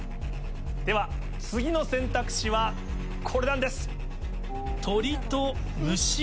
では次の選択肢はこれなんです。